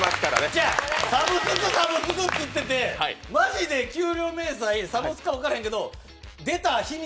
違う、サブスク、サブスク言ってて、マジで給料明細、サブスクか分からんけど、出たとこ